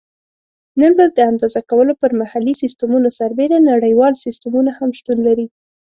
نن ورځ د اندازه کولو پر محلي سیسټمونو سربیره نړیوال سیسټمونه هم شتون لري.